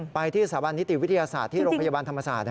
ที่สถาบันนิติวิทยาศาสตร์ที่โรงพยาบาลธรรมศาสตร์